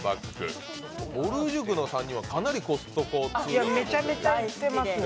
ぼる塾の３人はかなりコストコ通ですね。